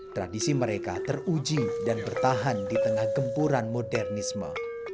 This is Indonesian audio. tradisi mereka teruji dan bertahan di tengah gempuran modernisme